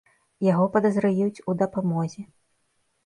Яго падазраюць у дапамозе.